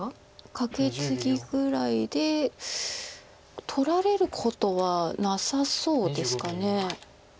カケツギぐらいで取られることはなさそうですか。